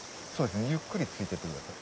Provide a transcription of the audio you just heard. ゆっくりついてってください。